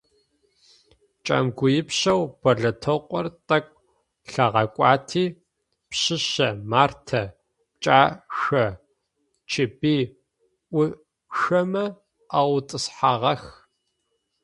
Кӏэмыгуепщэу Болэтыкъор тӏэкӏу лъагъэкӏуати Пщыщэ, Мартэ, Пкӏашъэ, Чыбый ӏушъомэ аӏутӏысхьагъэх.